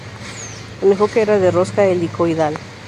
El enfoque era de rosca helicoidal.